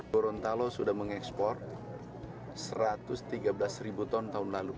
gorontalo sudah mengekspor satu ratus tiga belas ribu ton